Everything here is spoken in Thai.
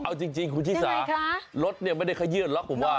เอาจริงคุณชิสารถเนี่ยไม่ได้ขยื่นหรอกผมว่า